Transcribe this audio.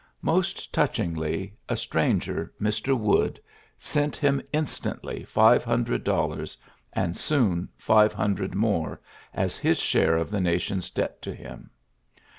Most touchingly, a stranger, Mr. Wood, sent him instantly five himdred dollars, and soon five hundred more, as his share of the nation's debt to him.